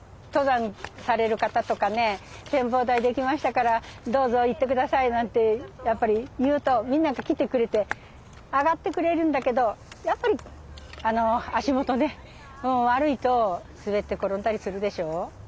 登山される方とかね「展望台出来ましたからどうぞ行って下さい」なんてやっぱり言うとみんなが来てくれて上がってくれるんだけどやっぱり足元ね悪いと滑って転んだりするでしょう。